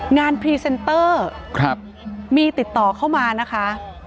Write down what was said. พรีเซนเตอร์มีติดต่อเข้ามานะคะ